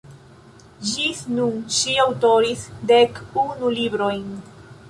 Ĝis nun ŝi aŭtoris dek unu librojn.